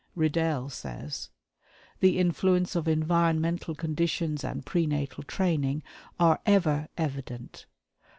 Riddell says: "The influence of environmental conditions and pre natal training are ever evident.